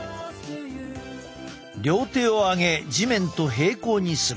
両手を上げ地面と平行にする。